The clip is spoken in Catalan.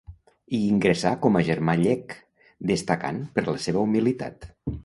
Hi ingressà com a germà llec, destacant per la seva humilitat.